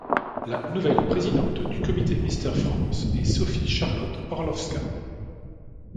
La nouvelle présidente du Comité Mister France est Sophie Charlotte Orlowska.